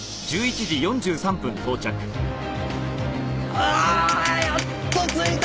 あーやっと着いた！